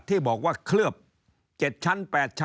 ที่บอกว่าเคลือบ๗ชั้น